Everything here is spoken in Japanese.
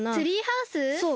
そう。